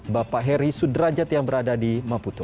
bapak heri sudrajat yang berada di maputo